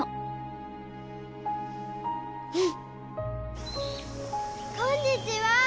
うん！こんにちは！